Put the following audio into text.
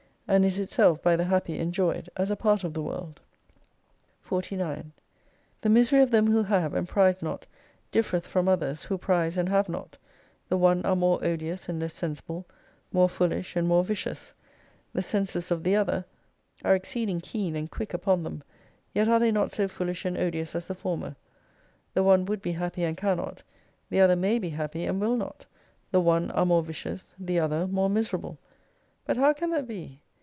And is itself by the happy enjoyed, as a part of the world. 49 The misery of them who have and prize not, differeth from others, who prize and have not. The one are more odious and less sensible ; more foolish, and more vicious: the senses of the other are exceeding keen c 33 and quick upon them ; yet are tliey not so foolish and odious as the former. The one would be happy and cannot, the other may be happy and will not. The one are more vicious, the other more miserable. But how can that be